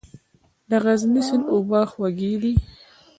د غزني سیند اوبه خوږې دي؟